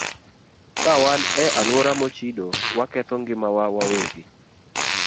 Ka wan e alwora mochido, waketho ngimawa wawegi.